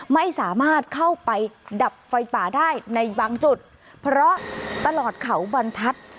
ไม่สามารถเข้าไปดับไฟป่าได้ในบางจุดเพราะตลอดเขาบรรทัศน์